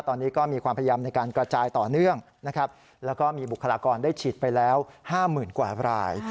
ตอนนี้ก็มีความพยายามในการกระจายต่อเนื่องนะครับแล้วก็มีบุคลากรได้ฉีดไปแล้ว๕๐๐๐กว่าราย